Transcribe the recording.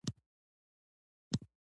د هوا رڼا هم د دوی په زړونو کې ځلېده.